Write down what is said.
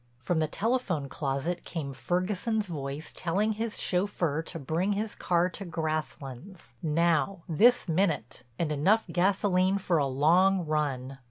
From the telephone closet came Ferguson's voice telling his chauffeur to bring his car to Grasslands, now, this minute, and enough gasoline for a long run.